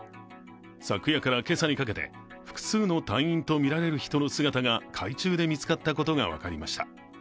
昨夜から今朝にかけて、複数の隊員とみられる人の姿が海中で見つかったことが分かりました。